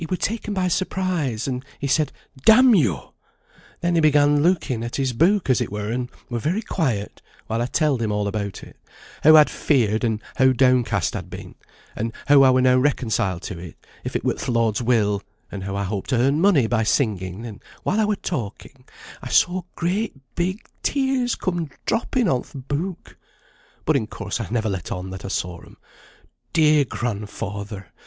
He were taken by surprise, and he said: 'Damn yo!' Then he began looking at his book as it were, and were very quiet, while I telled him all about it; how I'd feared, and how downcast I'd been; and how I were now reconciled to it, if it were th' Lord's will; and how I hoped to earn money by singing; and while I were talking, I saw great big tears come dropping on th' book; but in course I never let on that I saw 'em. Dear grandfather!